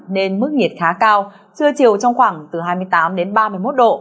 nên mức nhiệt khá cao trưa chiều trong khoảng từ hai mươi tám đến ba mươi một độ